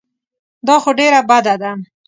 دا خو ډېره بده ده.